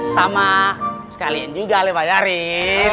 sama sekalian juga ale bayarin